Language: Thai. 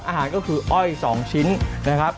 อาหารก็คืออ้อย๒ชิ้นนะครับ